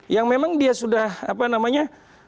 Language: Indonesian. yang memang dia sudah apa namanya